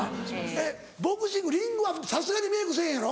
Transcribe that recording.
えっボクシングリングはさすがにメイクせぇへんやろ？